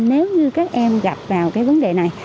nếu như các em gặp vào vấn đề này